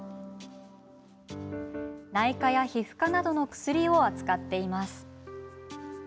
内科や皮膚科などの薬を扱っています。